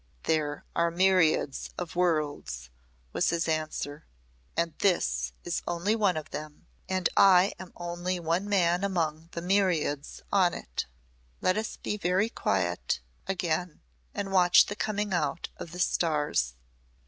"There are myriads of worlds," was his answer. "And this is only one of them. And I am only one man among the myriads on it. Let us be very quiet again and watch the coming out of the stars."